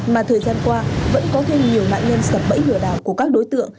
mà thời gian qua vẫn có thêm nhiều nạn nhân sập bẫy lừa đảo của các đối tượng